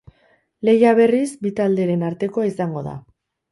Lehia, berriz, bi talderen artekoa izango da.